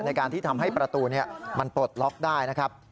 ในการที่ทำให้ประตูมันปลดล็อกได้นะครับ